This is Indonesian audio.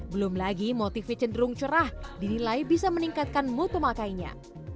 belum lagi motifnya cenderung cerah dinilai bisa meningkatkan mood pemakainya